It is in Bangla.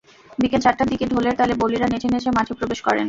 বিকেল চারটার দিকে ঢোলের তালে বলীরা নেচে নেচে মাঠে প্রবেশ করেন।